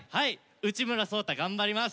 内村颯太頑張ります！